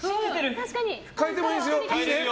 変えてもいいですよ。